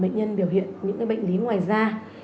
bệnh nhân biểu hiện những bệnh lý ngoài da